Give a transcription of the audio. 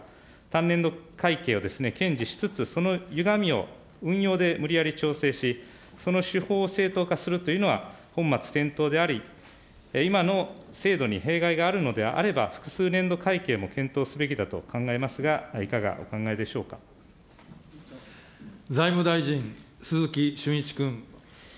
単年度会計を堅持しつつ、そのゆがみを運用で無理やり調整し、その手法を正当化するのであれば、本末転倒であり、今の制度に弊害があるのであれば、複数年度会計も検討すべきだと考えますが、い財務大臣、鈴木俊一君。